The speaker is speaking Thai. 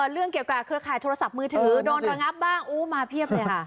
เรื่องเกี่ยวกับเครือข่ายโทรศัพท์มือถือโดนระงับบ้างมาเพียบเลยค่ะ